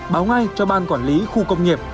báo ngay cho ban quản lý khu công nghiệp